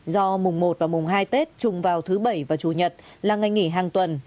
do mùng một và mùng hai tết trùng vào thứ bảy và chủ nhật là ngày nghỉ hàng tuần